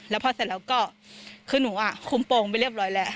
แล้วพอเสร็จแล้วก็คือหนูคุมโปรงไปเรียบร้อยแล้ว